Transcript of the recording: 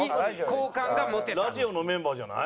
ラジオのメンバーじゃない？